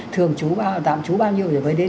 thường trú tạm trú bao nhiêu để mới đến